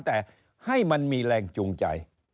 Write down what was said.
แต่ให้มันมีแรงจูงใจ